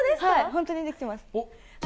本当にできてます。